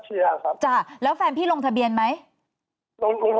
ได้เจอเจ้าหน้าที่กระทรวงการคลังให้คำตอบไหมคะ